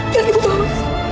yang ibu tahu